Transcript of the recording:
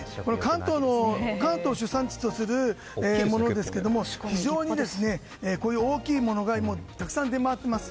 関東を主産地とするものですが非常に大きいものがたくさん出回っています。